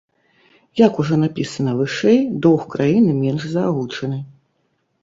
Як ужо напісана вышэй, доўг краіны менш за агучаны.